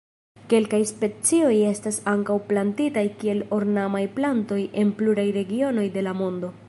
Kelkaj specioj estas ankaŭ plantitaj kiel ornamaj plantoj en pluraj regionoj de la mondo.